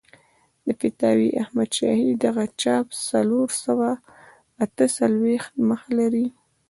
د فتاوی احمدشاهي دغه چاپ څلور سوه اته څلوېښت مخه لري.